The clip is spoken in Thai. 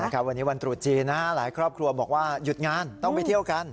วันนี้วันตรุษจีนหลายครอบครัวบอกว่าหยุดงานต้องไปเที่ยวกัน